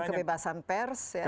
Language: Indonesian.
dan kebebasan pers ya